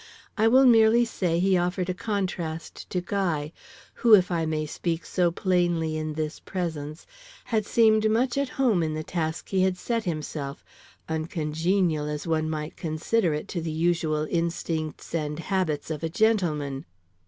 I will merely say he offered a contrast to Guy, who, if I may speak so plainly in this presence, had seemed much at home in the task he had set himself, uncongenial as one might consider it to the usual instincts and habits of a gentleman.